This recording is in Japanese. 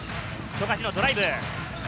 富樫のドライブ。